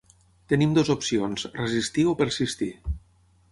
Tenim dues opcions: resistir o persistir.